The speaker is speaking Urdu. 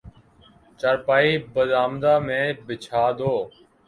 چارپائی برآمدہ میں بچھا دو